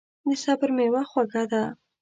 د صبر میوه خوږه ده.